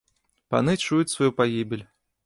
Паны чуюць сваю пагібель.